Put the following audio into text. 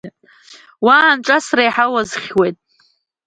Уа аанҿасра иаҳа уазыхьуеит.